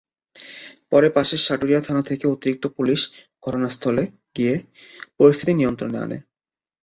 পরে পাশের সাটুরিয়া থানা থেকে অতিরিক্ত পুলিশ ঘটনাস্থলে গিয়ে পরিস্থিতি নিয়ন্ত্রণে আনে।